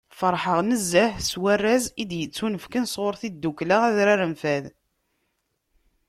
Feṛḥeɣ nezzeh s warraz i d-yettunefken sɣur tddukkla Adrar n Fad.